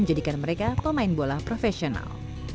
menjadikan mereka pemain bola profesional